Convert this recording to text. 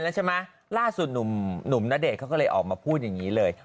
ล่ำสุดหนุ่มหน้าเด่นเขาเลยออกมาพูดอย่างงี้เลย